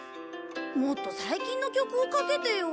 もっと最近の曲をかけてよ。